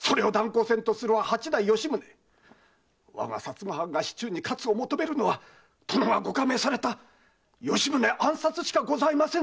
我が薩摩藩が死中に活を求めるのは殿がご下命された吉宗暗殺しかございませぬぞ！